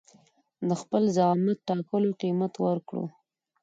د خپل زعامت ټاکلو قيمت ورکړو.